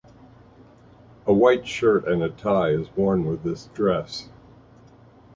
A white shirt and a tie is worn with this dress.